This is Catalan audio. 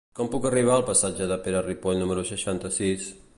Com puc arribar al passatge de Pere Ripoll número seixanta-sis?